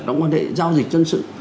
trong quan hệ giao dịch dân sự